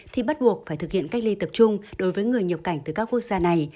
thì bắt buộc phải thực hiện cách ly tập trung đối với người nhập cảnh từ các quốc gia này